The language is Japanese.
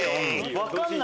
分かんない。